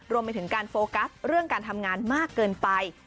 รวมไปถึงการโฟกัสเรื่องการทำงานมากเกินไป